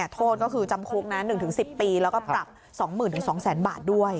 โทษก็คือจำคุกนะ๑๑๐ปีแล้วก็ปรับ๒๐๐๐๒๐๐๐๐บาทด้วย